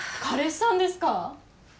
彼氏さんですか？